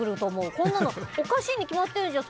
こんなのおかしいに決まってるじゃん。